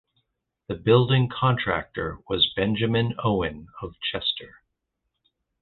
The building contractor was Benjamin Owen of Chester.